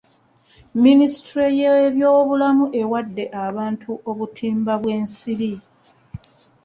Minisitule y'ebyobulamu ewadde abantu obutimba bw'ensiri.